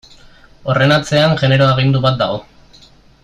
Horren atzean genero agindu bat dago.